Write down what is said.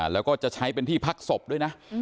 แล้วก็จะใช้เป็นที่พักศพด้วยนะ